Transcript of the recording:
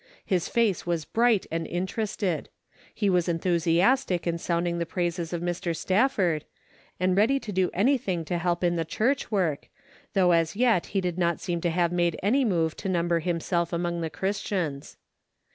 His face was bright and interested. He was en thusiastic in sounding the praises of Mr. Staf ford, and ready to do anything to help in the church work, though as yet he did not seem to have made any move to number himself among the Christians.